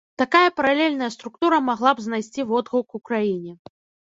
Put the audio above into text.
Такая паралельная структура магла б знайсці водгук у краіне.